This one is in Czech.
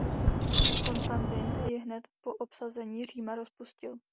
Konstantin ji hned po obsazení Říma rozpustil.